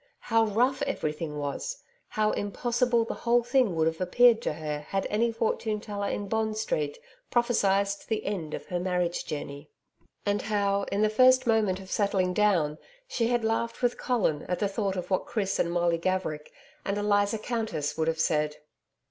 How rough everything was! How impossible the whole thing would have appeared to her had any fortune teller in Bond Street prophesied the end of her marriage journey! And how, in the first moment of settling down, she had laughed with Colin at the thought of what Chris and Molly Gaverick, and 'Eliza Countess' would have said!